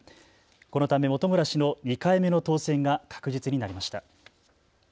このため本村氏の２回目の当選が確実になりました。